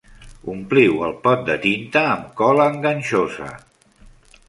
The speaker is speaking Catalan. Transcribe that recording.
Ompliu el pot de tinta amb cola enganxosa.